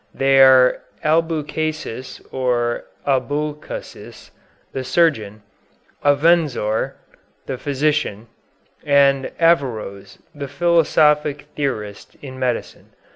They are Albucasis or Abulcasis, the surgeon; Avenzoar, the physician, and Averroës, the philosophic theorist in medicine.